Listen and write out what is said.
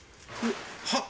はっ？